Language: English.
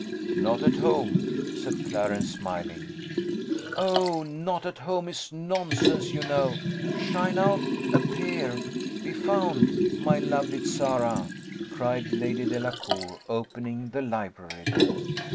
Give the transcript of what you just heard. "Not at home," said Clarence, smiling. "Oh, not at home is nonsense, you know. Shine out, appear, be found, my lovely Zara!" cried Lady Delacour, opening the library door.